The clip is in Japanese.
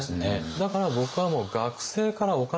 だから僕はもう学生からお金取るなと。